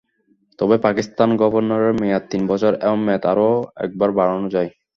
তবে পাকিস্তানে গভর্নরের মেয়াদ তিন বছর এবং মেয়াদ আরও একবার বাড়ানো যায়।